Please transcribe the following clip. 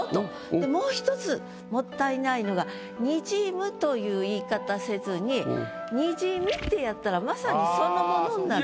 でもう一つもったいないのが「滲む」という言い方せずに「滲み」ってやったらまさにそのものになる。